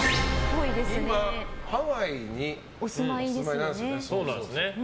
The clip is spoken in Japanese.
今、ハワイにお住まいなんですよね。